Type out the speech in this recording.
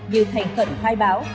như thành phận khai báo